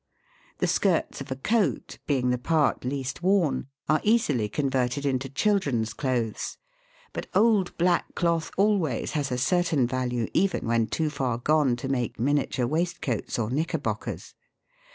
The skirts of a coat, being the part least worn, are easily converted into children's clothes, but old black cloth always has a certain value even when too far gone to make miniature waistcoats or knicker bockers.